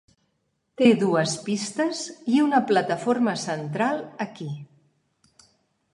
Té dues pistes i una plataforma central aquí.